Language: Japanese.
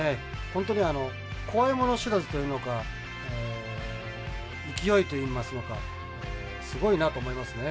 本当にあの怖いもの知らずというのか勢いといいますのかすごいなと思いますね。